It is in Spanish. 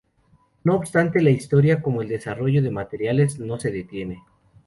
No obstante la historia, como el desarrollo de materiales, no se detiene.